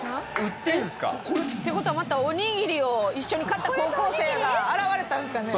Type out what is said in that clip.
っていう事はまたおにぎりを一緒に買った高校生が現れたんですかね？